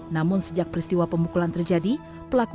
namun sejak peristiwa ini pengemudi ojol tidak bisa mencari alamat pelaku